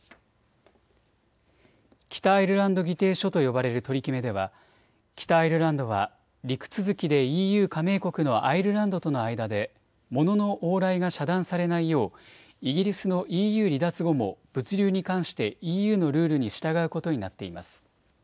北アイルランド議定書と呼ばれる取り決めでは北アイルランドは陸続きでＥＵ加盟国のアイルランドとの間でモノの往来が遮断されないようイギリスのＥＵ離脱後も物流に関してＥＵのルールに従うことになっています。